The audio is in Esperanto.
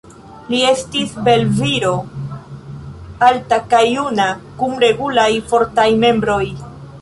Li estis belviro, alta kaj juna, kun regulaj fortaj membroj.